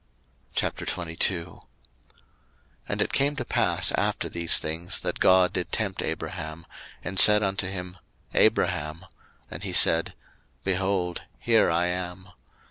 01:022:001 And it came to pass after these things, that God did tempt Abraham, and said unto him, Abraham: and he said, Behold, here I am.